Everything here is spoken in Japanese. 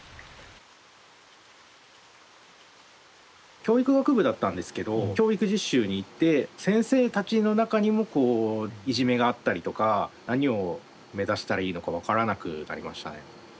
教育学部だったんですけど教育実習に行って先生たちの中にもこういじめがあったりとか何を目指したらいいのか分からなくなりましたね。